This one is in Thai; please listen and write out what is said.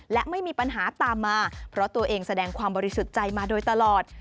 และไม่มีปัญหาตามมาเพราะตัวเองแสดงความบริสุทธิ์ใจมาโดยตลอด